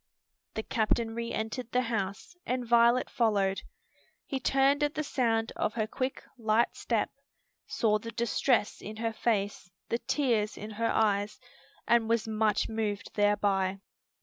The captain re entered the house and Violet followed. He turned at the sound of her quick, light step, saw the distress in her face, the tears in her eyes, and was much moved thereby.